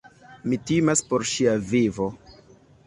Mi timas por ŝia vivo.